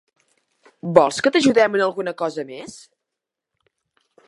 Vols que t'ajudem en alguna cosa més?